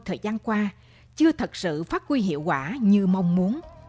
thời gian qua chưa thật sự phát huy hiệu quả như mong muốn